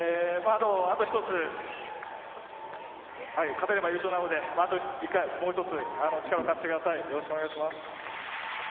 あと１つ勝てれば優勝なので、もう一つ、力を貸してください、よろしくお願いします。